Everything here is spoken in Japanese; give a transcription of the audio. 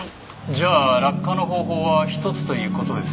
じゃあ落下の方法は１つという事ですね。